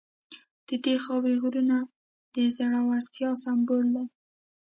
د دې خاورې غرونه د زړورتیا سمبول دي.